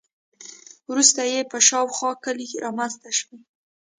وروسته یې په شاوخوا کې کلي رامنځته شوي.